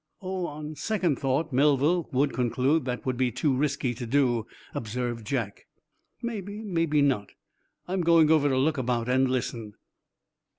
"Oh, on second thought Melville would conclude that would be too risky to do," observed Jack. "Maybe maybe not. I'm going over to look about and listen."